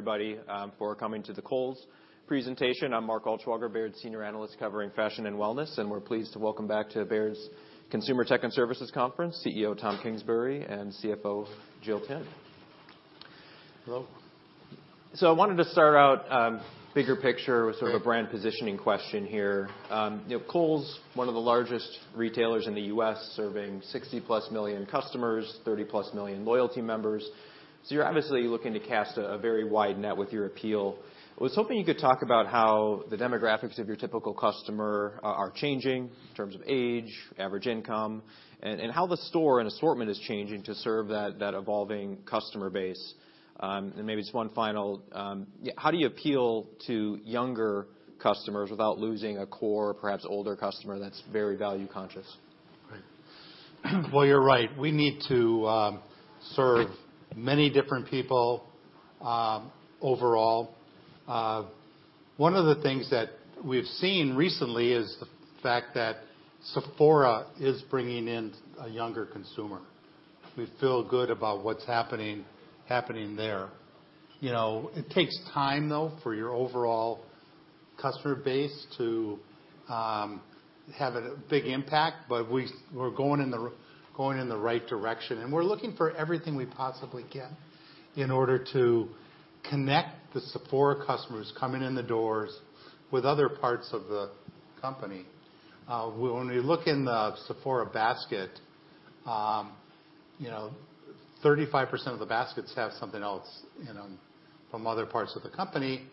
Everybody, for coming to the Kohl's presentation. I'm Mark Altschwager, Baird's senior analyst covering fashion and wellness, and we're pleased to welcome back to Baird's Consumer Tech and Services Conference, CEO Tom Kingsbury and CFO Jill Timm. Hello. So I wanted to start out, bigger picture with sort of a brand positioning question here. You know, Kohl's one of the largest retailers in the U.S., serving 60+ million customers, 30+ million Loyalty Members, so you're obviously looking to cast a, a very wide net with your appeal. I was hoping you could talk about how the demographics of your typical customer are, are changing in terms of age, average income, and, and how the store and assortment is changing to serve that, that evolving customer base. And maybe just one final, yeah, how do you appeal to younger customers without losing a core, perhaps older customer, that's very value-conscious? Right. Well, you're right, we need to serve many different people overall. One of the things that we've seen recently is the fact that Sephora is bringing in a younger consumer. We feel good about what's happening there. You know, it takes time, though, for your overall customer base to have a big impact, but we're going in the right direction. And we're looking for everything we possibly can in order to connect the Sephora customers coming in the doors with other parts of the company. When we look in the Sephora basket, you know, 35% of the baskets have something else in them from other parts of the company,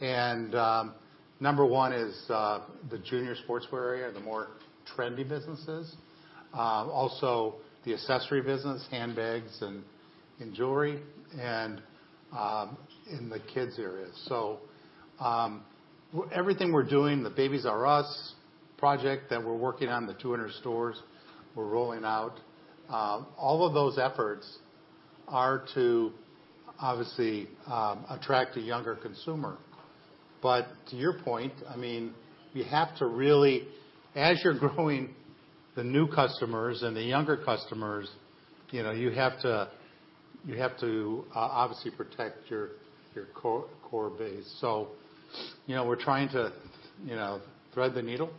and number one is the junior sportswear area, the more trendy businesses, also the accessory business, handbags and jewelry, and in the kids' area. So everything we're doing, the Babies "R" Us project that we're working on, the 200 stores we're rolling out, all of those efforts are to, obviously, attract a younger consumer. But to your point, I mean, you have to really, as you're growing the new customers and the younger customers, you know, you have to obviously protect your core base. So, you know, we're trying to, you know, thread the needle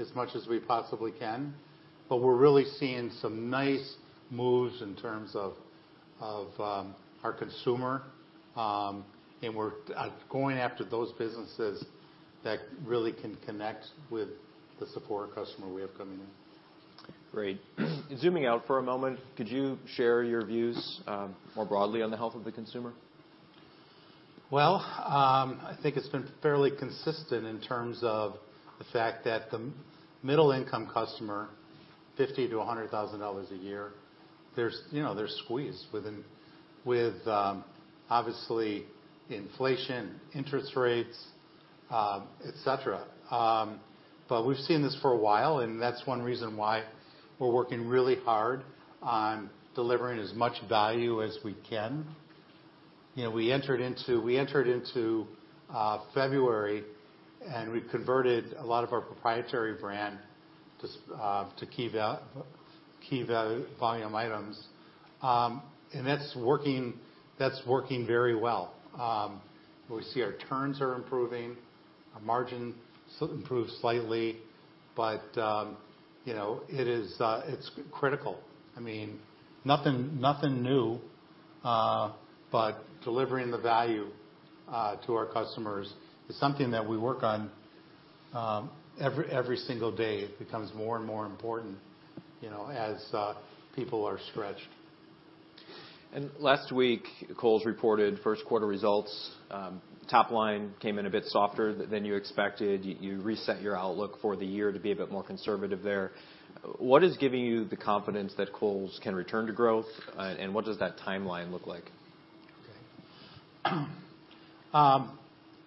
as much as we possibly can, but we're really seeing some nice moves in terms of our consumer. And we're going after those businesses that really can connect with the Sephora customer we have coming in. Great. Zooming out for a moment, could you share your views, more broadly on the health of the consumer? Well, I think it's been fairly consistent in terms of the fact that the middle-income customer, $50,000-$100,000 a year, there's, you know, they're squeezed within with, obviously, inflation, interest rates, et cetera. But we've seen this for a while, and that's one reason why we're working really hard on delivering as much value as we can. You know, we entered into February, and we converted a lot of our proprietary brand to key value volume items. And that's working, that's working very well. We see our turns are improving, our margins improved slightly, but, you know, it is, it's critical. I mean, nothing, nothing new, but delivering the value to our customers is something that we work on, every, every single day. It becomes more and more important, you know, as people are stretched. Last week, Kohl's reported first quarter results. Top line came in a bit softer than you expected. You reset your outlook for the year to be a bit more conservative there. What is giving you the confidence that Kohl's can return to growth, and what does that timeline look like?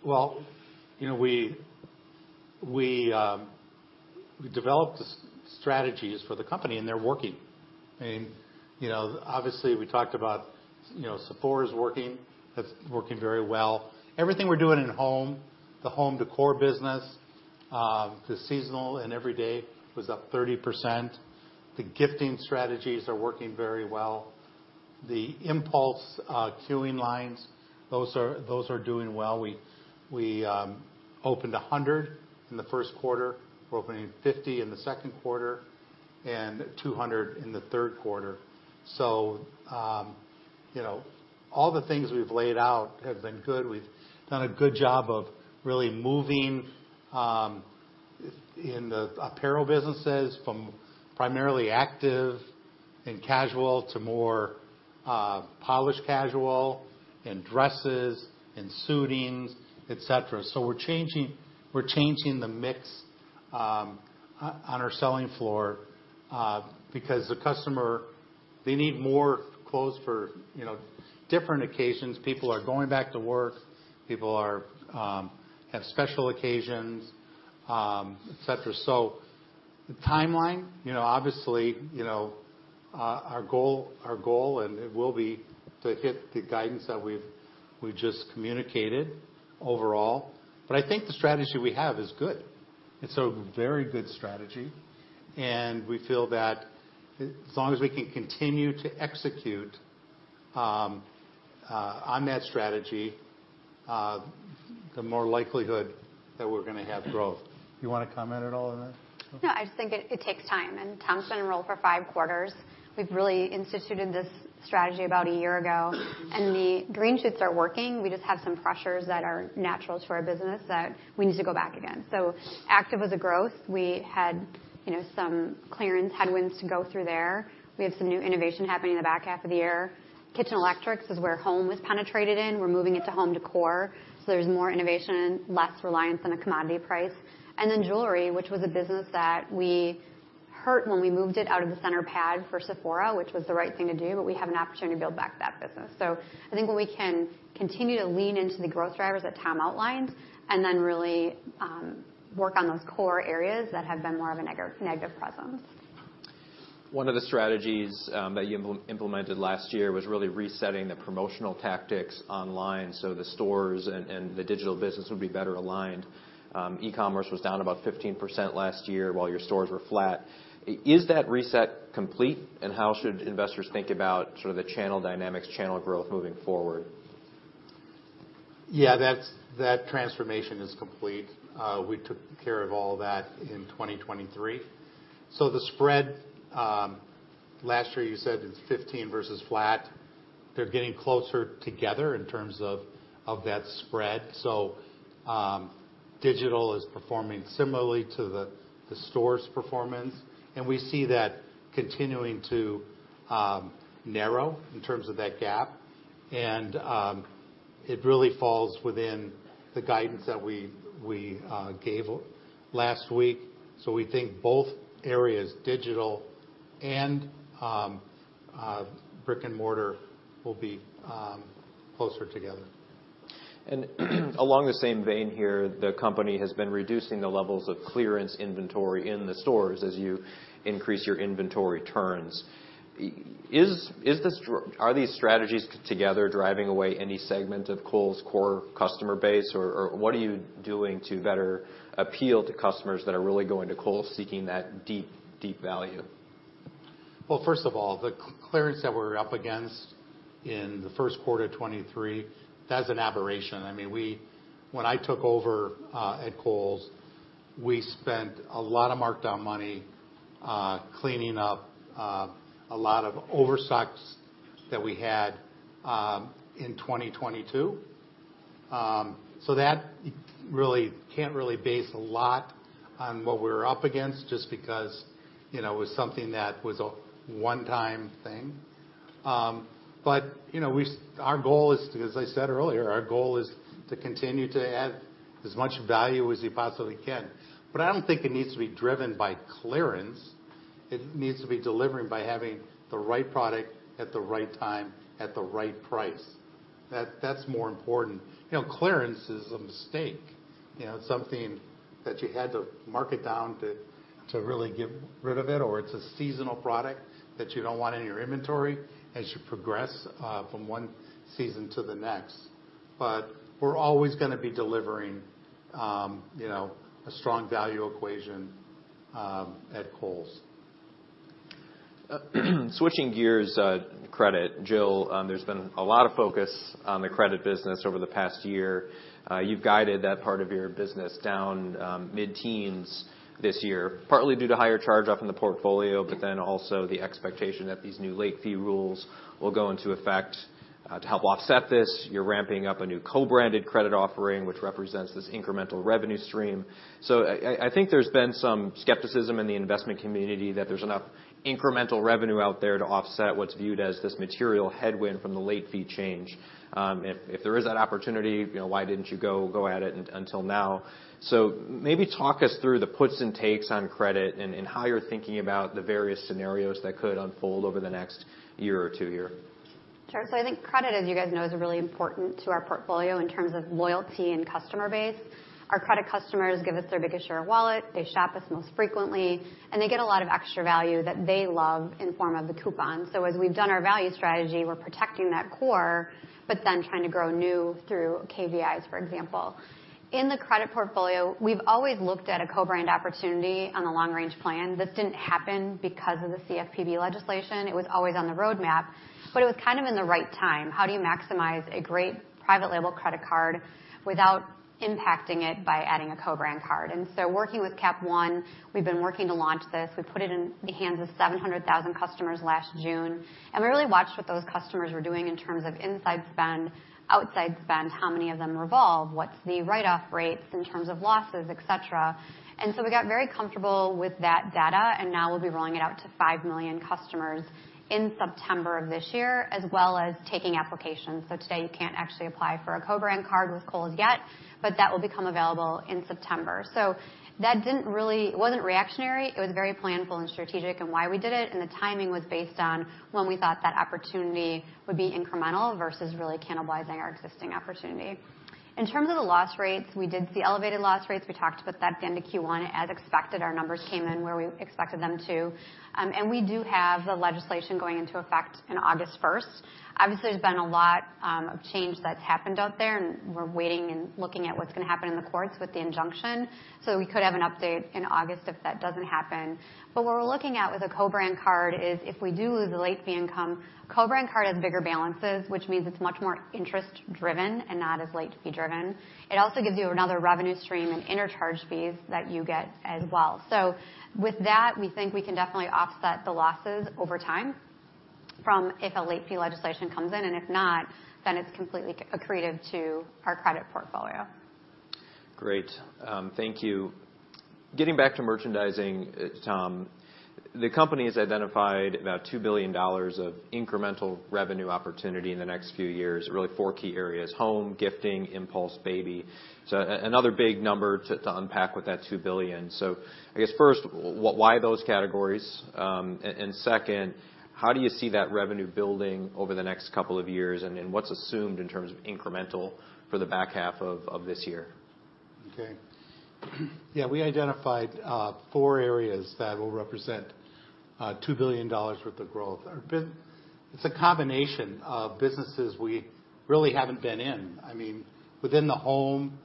Well, you know, we developed the strategies for the company, and they're working. I mean, you know, obviously, we talked about, you know, Sephora is working. That's working very well. Everything we're doing in home, the Home Decor business, the seasonal and every day was up 30%. The gifting strategies are working very well. The impulse, queuing lines, those are doing well. We opened 100 in the first quarter. We're opening 50 in the second quarter and 200 in the third quarter. So, you know, all the things we've laid out have been good. We've done a good job of really moving in the apparel businesses from primarily active and casual to more, polished casual and dresses and suitings, et cetera. So we're changing, we're changing the mix on our selling floor because the customer they need more clothes for, you know, different occasions. People are going back to work, people have special occasions, et cetera. So the timeline, you know, obviously, you know, our goal, our goal, and it will be to hit the guidance that we've just communicated overall. But I think the strategy we have is good. It's a very good strategy, and we feel that as long as we can continue to execute on that strategy, the more likelihood that we're gonna have growth. You wanna comment at all on that? No, I just think it takes time, and Tom's been enrolled for five quarters. We've really instituted this strategy about a year ago, and the green shoots are working. We just have some pressures that are natural to our business that we need to go back again. So active as a growth, we had, you know, some clearance headwinds to go through there. We have some new innovation happening in the back half of the year. Kitchen Electrics is where Home was penetrated in. We're moving it to Home Decor, so there's more innovation, less reliance on a commodity price. And then Jewelry, which was a business that we hurt when we moved it out of the center pad for Sephora, which was the right thing to do, but we have an opportunity to build back that business. I think when we can continue to lean into the growth drivers that Tom outlined, and then really work on those core areas that have been more of a negative presence. One of the strategies that you implemented last year was really resetting the promotional tactics online, so the stores and the digital business would be better aligned. E-commerce was down about 15% last year, while your stores were flat. Is that reset complete? And how should investors think about sort of the channel dynamics, channel growth moving forward? Yeah, that's that transformation is complete. We took care of all that in 2023. So the spread last year, you said it's 15 versus flat. They're getting closer together in terms of that spread. So digital is performing similarly to the stores' performance, and we see that continuing to narrow in terms of that gap. And it really falls within the guidance that we gave last week. So we think both areas, digital and brick-and-mortar, will be closer together. And along the same vein here, the company has been reducing the levels of clearance inventory in the stores as you increase your inventory turns. Is this, are these strategies together driving away any segment of Kohl's core customer base, or what are you doing to better appeal to customers that are really going to Kohl's, seeking that deep, deep value? Well, first of all, the clearance that we're up against in the first quarter of 2023, that's an aberration. I mean, when I took over at Kohl's, we spent a lot of markdown money cleaning up a lot of oversights that we had in 2022. So that really can't really base a lot on what we're up against just because, you know, it was something that was a one-time thing. But, you know, our goal is, as I said earlier, our goal is to continue to add as much value as we possibly can, but I don't think it needs to be driven by clearance. It needs to be delivering by having the right product at the right time, at the right price. That's more important. You know, Clearance is a mistake, you know, something that you had to mark it down to, to really get rid of it, or it's a seasonal product that you don't want in your inventory as you progress from one season to the next. But we're always gonna be delivering, you know, a strong value equation at Kohl's. Switching gears, credit. Jill, there's been a lot of focus on the credit business over the past year. You've guided that part of your business down mid-teens this year, partly due to higher charge off in the portfolio, but then also the expectation that these new late fee rules will go into effect. To help offset this, you're ramping up a new co-branded credit offering, which represents this incremental revenue stream. So I think there's been some skepticism in the investment community that there's enough incremental revenue out there to offset what's viewed as this material headwind from the late fee change. If there is that opportunity, you know, why didn't you go at it until now? So maybe talk us through the puts and takes on credit and how you're thinking about the various scenarios that could unfold over the next year or two here? Sure. So I think credit, as you guys know, is really important to our portfolio in terms of loyalty and customer base. Our credit customers give us their biggest share of wallet, they shop us most frequently, and they get a lot of extra value that they love in form of the coupon. So as we've done our value strategy, we're protecting that core, but then trying to grow new through KVIs, for example. In the credit portfolio, we've always looked at a co-brand opportunity on the long range plan. This didn't happen because of the CFPB legislation. It was always on the roadmap, but it was kind of in the right time. How do you maximize a great private label credit card without impacting it by adding a co-brand card? And so working with Capital One, we've been working to launch this. We put it in the hands of 700,000 customers last June, and we really watched what those customers were doing in terms of inside spend, outside spend, how many of them revolve, what's the write-off rates in terms of losses, et cetera. And so we got very comfortable with that data, and now we'll be rolling it out to 5 million customers in September of this year, as well as taking applications. So today, you can't actually apply for a co-brand card with Kohl's yet, but that will become available in September. So that didn't really... It wasn't reactionary. It was very planful and strategic in why we did it, and the timing was based on when we thought that opportunity would be incremental versus really cannibalizing our existing opportunity. In terms of the loss rates, we did see elevated loss rates. We talked about that down to Q1. As expected, our numbers came in where we expected them to. We do have the legislation going into effect in August 1st. Obviously, there's been a lot of change that's happened out there, and we're waiting and looking at what's gonna happen in the courts with the injunction, so we could have an update in August if that doesn't happen. But what we're looking at with a co-brand card is, if we do lose the late fee income, co-brand card has bigger balances, which means it's much more interest-driven and not as late fee-driven. It also gives you another revenue stream and interchange fees that you get as well. With that, we think we can definitely offset the losses over time from if a late fee legislation comes in, and if not, then it's completely accretive to our credit portfolio. Great, thank you. Getting back to merchandising, Tom, the company has identified about $2 billion of incremental revenue opportunity in the next few years, really four key areas: home, gifting, impulse, baby. So another big number to unpack with that $2 billion. So I guess first, why those categories? And second, how do you see that revenue building over the next couple of years? And then, what's assumed in terms of incremental for the back half of this year? Okay. Yeah, we identified four areas that will represent $2 billion worth of growth. It's a combination of businesses we really haven't been in. I mean, within the home,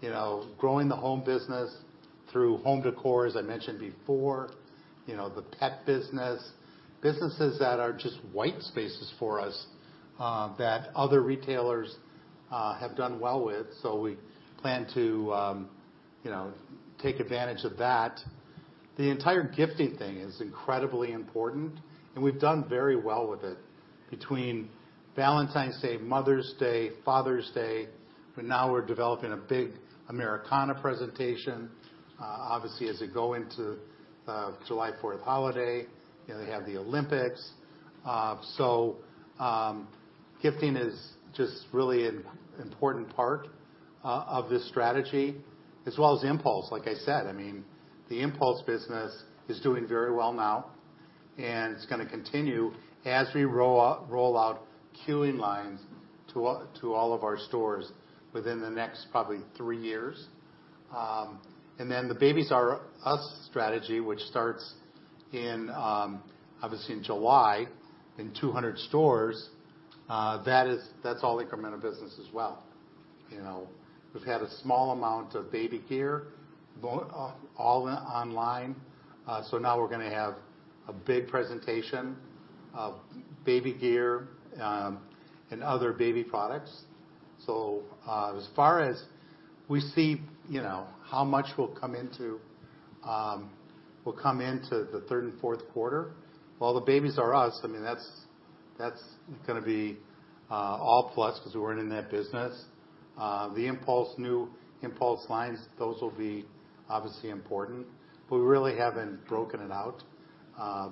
you know, growing the home business through home decor, as I mentioned before, you know, the pet business. Businesses that are just white spaces for us that other retailers have done well with. So we plan to, you know, take advantage of that. The entire gifting thing is incredibly important, and we've done very well with it. Between Valentine's Day, Mother's Day, Father's Day, but now we're developing a big Americana presentation. Obviously, as we go into July 4th holiday, you know, they have the Olympics. So, gifting is just really an important part of this strategy as well as Impulse. Like I said, I mean, the impulse business is doing very well now, and it's gonna continue as we roll out queuing lines to all of our stores within the next probably 3 years. And then the Babies "R" Us strategy, which starts in, obviously in July, in 200 stores, that is-- that's all incremental business as well. You know, we've had a small amount of baby gear, all in online, so now we're gonna have a big presentation of baby gear, and other baby products. So, as far as we see, you know, how much will come into the third and fourth quarter, while the Babies "R" Us, I mean, that's gonna be all plus, because we weren't in that business. The Impulse, new Impulse lines, those will be obviously important. But we really haven't broken it out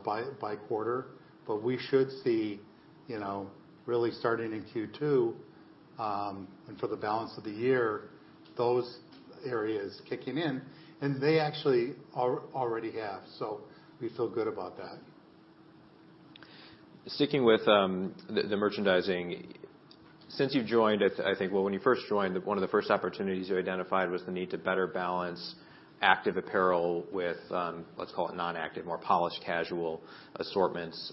by quarter. But we should see, you know, really starting in Q2, and for the balance of the year, those areas kicking in, and they actually already have, so we feel good about that. Sticking with the merchandising, since you've joined, I think, well, when you first joined, one of the first opportunities you identified was the need to better balance active apparel with, let's call it non-active, more polished, casual assortments.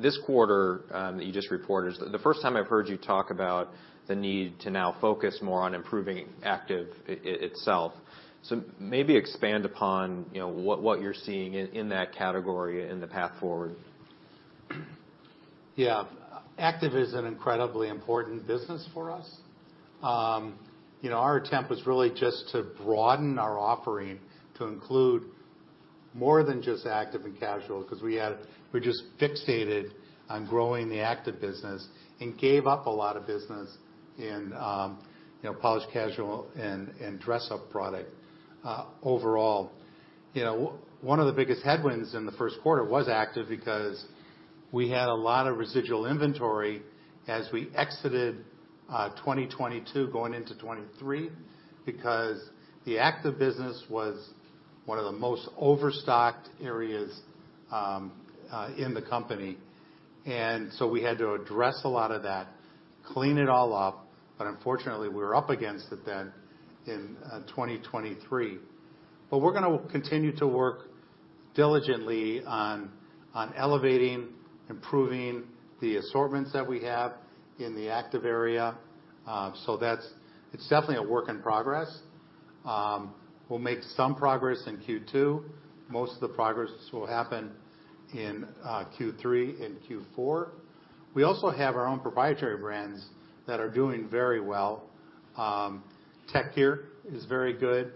This quarter, you just reported, the first time I've heard you talk about the need to now focus more on improving active itself. So maybe expand upon, you know, what you're seeing in that category and the path forward? Yeah. Active is an incredibly important business for us. You know, our attempt was really just to broaden our offering to include more than just active and casual, because we're just fixated on growing the active business and gave up a lot of business in, you know, polished, casual, and, and dress-up product, overall. You know, one of the biggest headwinds in the first quarter was active because we had a lot of residual inventory as we exited 2022 going into 2023, because the active business was one of the most overstocked areas in the company. And so we had to address a lot of that, clean it all up, but unfortunately, we were up against it then in 2023. But we're gonna continue to work diligently on elevating, improving the assortments that we have in the active area. So it's definitely a work in progress. We'll make some progress in Q2. Most of the progress will happen in Q3 and Q4. We also have our own proprietary brands that are doing very well. Tek Gear is very good.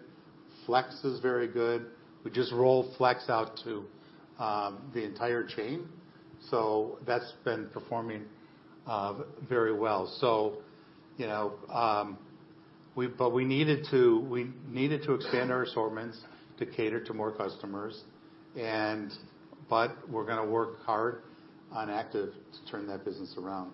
FLX is very good. We just rolled Flex out to the entire chain, so that's been performing very well. So, you know, we needed to expand our assortments to cater to more customers, but we're gonna work hard on active to turn that business around.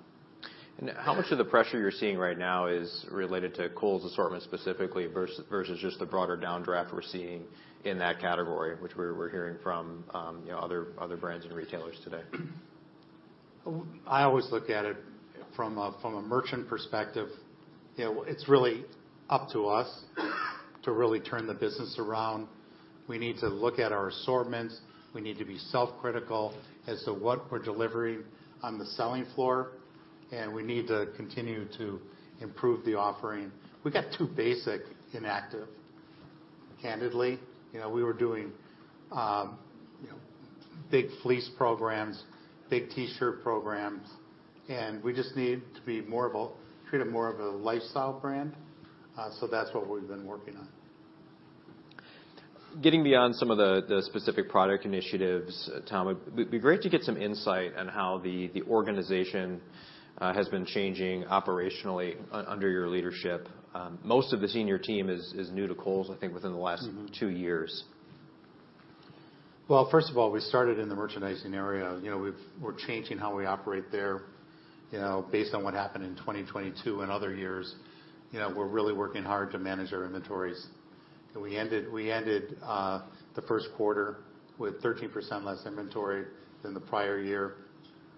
How much of the pressure you're seeing right now is related to Kohl's assortment, specifically, versus just the broader downdraft we're seeing in that category, which we're hearing from, you know, other brands and retailers today? I always look at it from a merchant perspective. You know, it's really up to us to really turn the business around. We need to look at our assortments. We need to be self-critical as to what we're delivering on the selling floor, and we need to continue to improve the offering. We got too basic in active, candidly. You know, we were doing you know big fleece programs, big T-shirt programs, and we just need to be more of a treat it more of a lifestyle brand, so that's what we've been working on. Getting beyond some of the specific product initiatives, Tom, it'd be great to get some insight on how the organization has been changing operationally under your leadership. Most of the senior team is new to Kohl's, I think, within the last- Mm-hmm... two years. Well, first of all, we started in the merchandising area. You know, we're changing how we operate there, you know, based on what happened in 2022 and other years. You know, we're really working hard to manage our inventories. And we ended the first quarter with 13% less inventory than the prior year.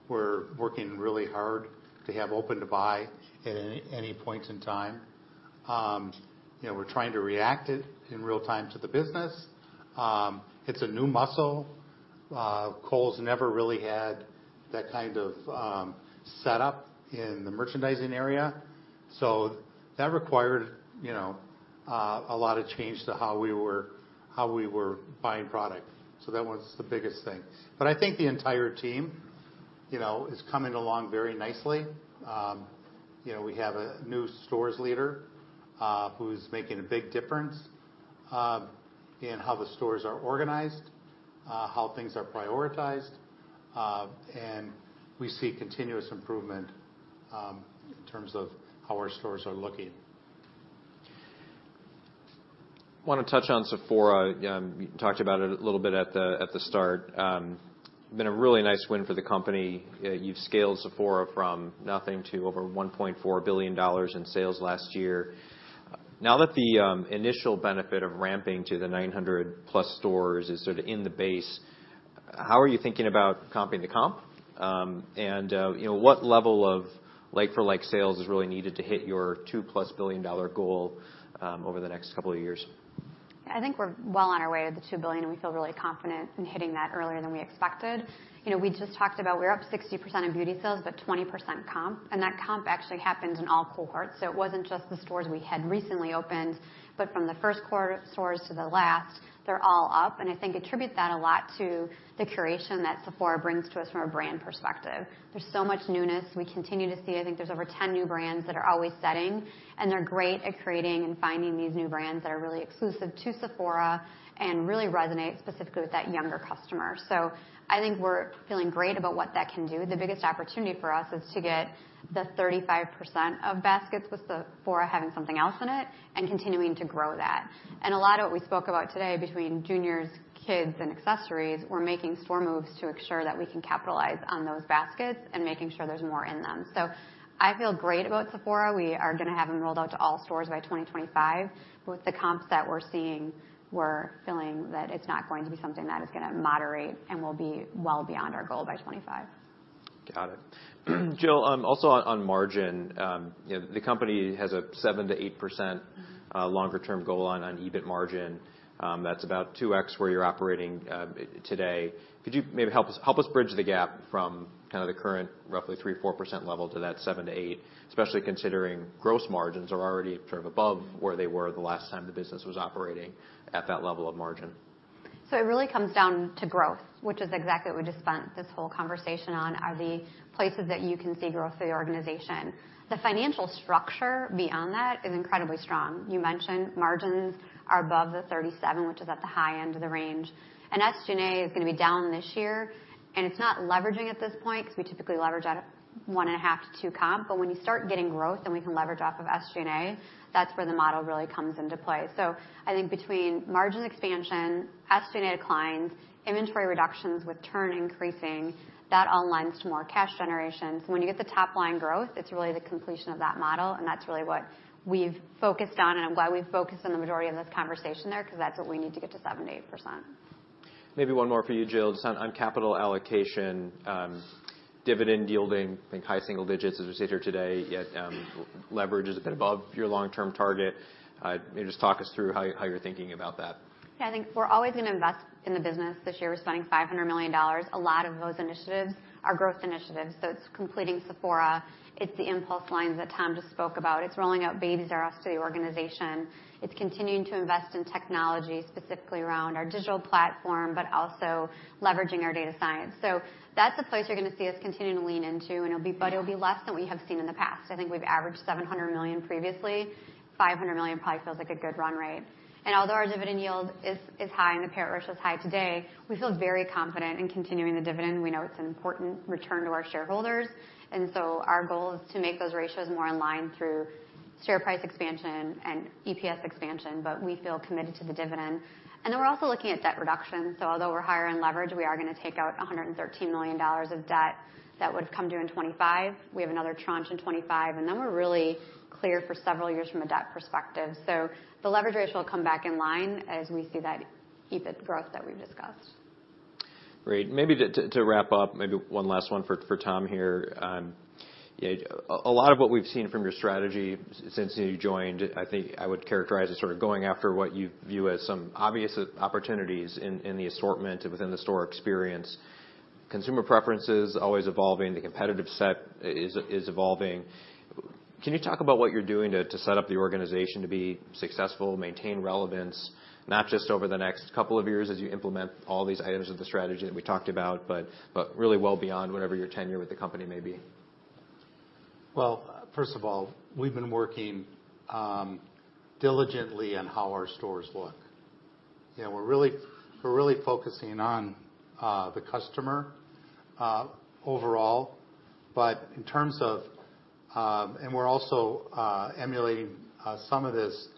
We're working really hard to have Open to Buy at any point in time. You know, we're trying to react it in real time to the business. It's a new muscle. Kohl's never really had that kind of setup in the merchandising area, so that required, you know, a lot of change to how we were buying product. So that was the biggest thing. But I think the entire team, you know, is coming along very nicely. You know, we have a new stores leader, who's making a big difference in how the stores are organized, how things are prioritized, and we see continuous improvement in terms of how our stores are looking. Want to touch on Sephora. You talked about it a little bit at the start. Been a really nice win for the company. You've scaled Sephora from nothing to over $1.4 billion in sales last year. Now that the initial benefit of ramping to the 900+ stores is sort of in the base, how are you thinking about comping the comp? And, you know, what level of like-for-like sales is really needed to hit your $2+ billion goal over the next couple of years? I think we're well on our way to the $2 billion, and we feel really confident in hitting that earlier than we expected. You know, we just talked about we're up 60% in beauty sales, but 20% comp, and that comp actually happens in all cohorts. So it wasn't just the stores we had recently opened, but from the first quarter stores to the last, they're all up. And I think attribute that a lot to the curation that Sephora brings to us from a brand perspective. There's so much newness. We continue to see, I think there's over 10 new brands that are always setting, and they're great at creating and finding these new brands that are really exclusive to Sephora and really resonate specifically with that younger customer. So I think we're feeling great about what that can do. The biggest opportunity for us is to get the 35% of baskets with Sephora having something else in it and continuing to grow that. And a lot of what we spoke about today, between juniors, kids, and accessories, we're making store moves to ensure that we can capitalize on those baskets and making sure there's more in them. So I feel great about Sephora. We are gonna have them rolled out to all stores by 2025. With the comps that we're seeing, we're feeling that it's not going to be something that is gonna moderate and will be well beyond our goal by 2025. Got it. Jill, also on margin, you know, the company has a 7%-8% Mm-hmm. Longer term goal on, on EBIT margin. That's about 2x, where you're operating, today. Could you maybe help us, help us bridge the gap from kind of the current, roughly 3%-4% level to that 7%-8%, especially considering gross margins are already sort of above- Mm-hmm where they were the last time the business was operating at that level of margin. So it really comes down to growth, which is exactly what we just spent this whole conversation on, are the places that you can see growth through the organization. The financial structure beyond that is incredibly strong. You mentioned margins are above the 37%, which is at the high end of the range. And SG&A is gonna be down this year, and it's not leveraging at this point, because we typically leverage at a 1.5-2 comp, but when you start getting growth, then we can leverage off of SG&A, that's where the model really comes into play. So I think between margin expansion, SG&A declines, inventory reductions with turn increasing, that all aligns to more cash generation. So when you get the top line growth, it's really the completion of that model, and that's really what we've focused on, and why we've focused on the majority of this conversation there, because that's what we need to get to 7%-8%. Maybe one more for you, Jill, just on capital allocation, dividend yielding, I think, high single digits, as we sit here today, yet leverage is a bit above your long-term target. Maybe just talk us through how you're thinking about that. Yeah, I think we're always gonna invest in the business. This year, we're spending $500 million. A lot of those initiatives are growth initiatives, so it's completing Sephora. It's the impulse lines that Tom just spoke about. It's rolling out Babies "R" Us to the organization. It's continuing to invest in technology, specifically around our digital platform, but also leveraging our data science. So that's a place you're gonna see us continue to lean into, and it'll be- Yeah. But it'll be less than we have seen in the past. I think we've averaged $700 million previously. $500 million probably feels like a good run rate. And although our dividend yield is, is high and the payout ratio is high today, we feel very confident in continuing the dividend. We know it's an important return to our shareholders, and so our goal is to make those ratios more in line through share price expansion and EPS expansion, but we feel committed to the dividend. And then we're also looking at debt reduction, so although we're higher in leverage, we are gonna take out $113 million of debt that would have come due in 2025. We have another tranche in 2025, and then we're really clear for several years from a debt perspective. The leverage ratio will come back in line as we see that EBIT growth that we've discussed.... Great. Maybe to wrap up, maybe one last one for Tom here. Yeah, a lot of what we've seen from your strategy since you joined, I think I would characterize as sort of going after what you view as some obvious opportunities in the assortment and within the store experience. Consumer preference is always evolving, the competitive set is evolving. Can you talk about what you're doing to set up the organization to be successful, maintain relevance, not just over the next couple of years as you implement all these items of the strategy that we talked about, but really well beyond whatever your tenure with the company may be? Well, first of all, we've been working diligently on how our stores look. You know, we're really, we're really focusing on the customer overall, but in terms of, and we're also emulating some of this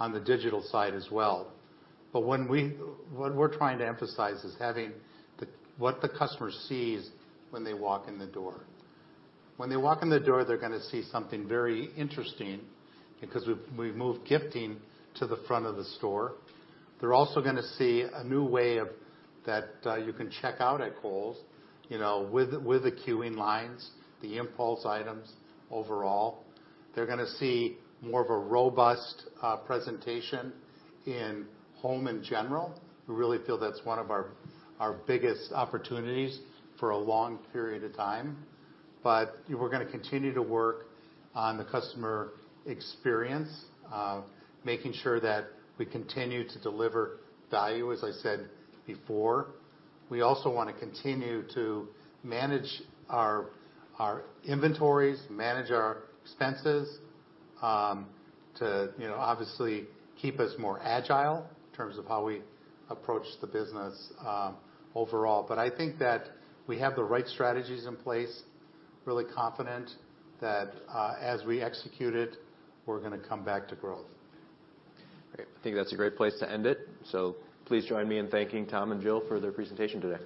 on the digital side as well. But what we're trying to emphasize is having the what the customer sees when they walk in the door. When they walk in the door, they're gonna see something very interesting because we've, we've moved gifting to the front of the store. They're also gonna see a new way of that you can check out at Kohl's, you know, with, with the queuing lines, the impulse items overall. They're gonna see more of a robust presentation in home in general. We really feel that's one of our, our biggest opportunities for a long period of time. But we're gonna continue to work on the customer experience, making sure that we continue to deliver value, as I said before. We also wanna continue to manage our inventories, manage our expenses, to you know obviously keep us more agile in terms of how we approach the business, overall. But I think that we have the right strategies in place, really confident that as we execute it, we're gonna come back to growth. Great. I think that's a great place to end it. So please join me in thanking Tom and Jill for their presentation today.